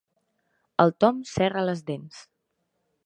El Tom serra les dents.